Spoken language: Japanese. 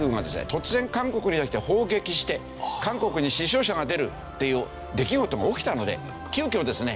突然韓国に対して砲撃して韓国に死傷者が出るっていう出来事が起きたので急きょですね